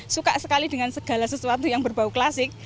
suka sekali dengan segala sesuatu yang berbau klasik